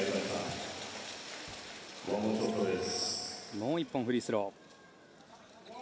もう１本、フリースロー。